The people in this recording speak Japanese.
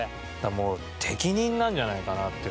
もう適任なんじゃないかなっていうね。